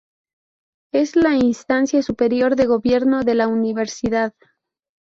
Es la instancia superior de gobierno de la universidad.